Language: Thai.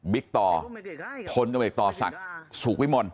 บิ๊กต่อผลกำเนิดต่อศักดิ์สุขวิมล